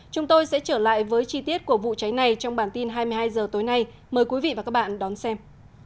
chúng tôi sẽ trở lại với chi tiết của vụ cháy này trong bản tin hai mươi hai h tối nay mời quý vị và các bạn đón xem